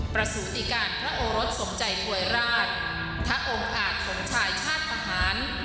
สูติการพระโอรสสมใจพวยราชพระองค์อาจสมชายชาติทหาร